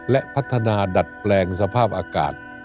และพัฒนาดัดแปลงสภาพอากาศ